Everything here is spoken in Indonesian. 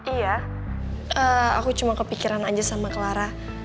iya aku cuma kepikiran aja sama clara